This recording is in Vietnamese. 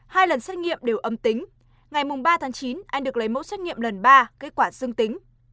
hai lần xét nghiệm đều âm tính ngày ba tháng chín anh được lấy mẫu xét nghiệm lần ba kết quả dương tính